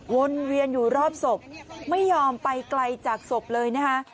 วนเวียนอยู่รอบศพไม่ยอมไปไกลจากศพเลยนะคะ